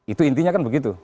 itu intinya kan begitu